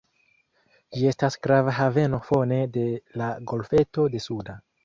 Ĝi estas grava haveno fone de la golfeto de Suda.